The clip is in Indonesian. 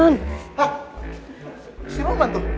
si roman tuh